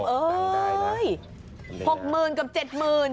อุ้ยคุณผู้ชมเอ้ย